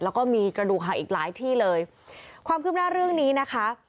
แล้วก็มีกระดูกหักอีกหลายที่เลยความคืบหน้าเรื่องนี้นะคะ